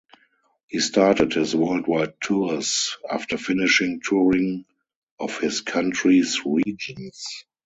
He started his worldwide tours after finishing touring of his country's regions.